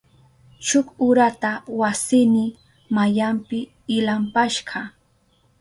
Shuk urata wasiyni mayanpi ilampashka.